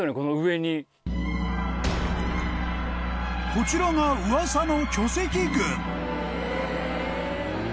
［こちらが噂の］